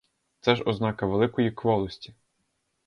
Це ж ознака великої кволості.